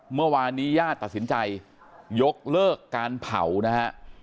เมื่อวานนี้ญาติตัดสินใจยกเลิกการเผานะฮะ